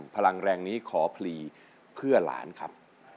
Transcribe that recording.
พลังแรงนี้ขอพลีเพื่อหลานครับ